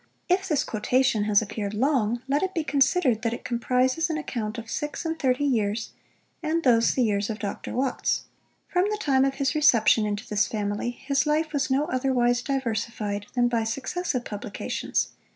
If this quotation has appeared long, let it be considered, that it comprises an account of six and thirty years, and those the years of Dr. Watts. From the time of his reception into this family, his life was no Otherwise diversified than by successive publications.